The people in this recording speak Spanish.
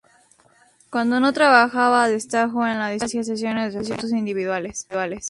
Cuando no trabajaba a destajo en la discoteca hacía sesiones de fotos individuales.